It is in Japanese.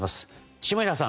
下平さん。